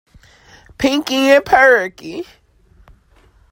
Pinky and Perky!